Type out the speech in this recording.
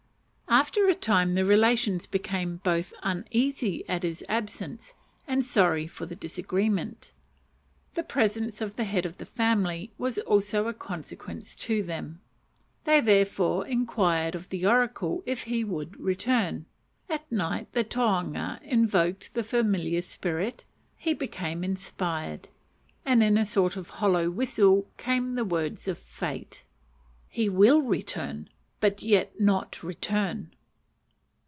After a time the relations became both uneasy at his absence and sorry for the disagreement. The presence of the head of the family was also of consequence to them. They therefore inquired of the oracle if he would return. At night the tohunga invoked the familiar spirit, he became inspired, and in a sort of hollow whistle came the words of fate: "He will return; but yet not return."